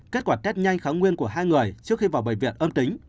kết quả test nhanh kháng nguyên của hai người trước khi vào bệnh viện âm tính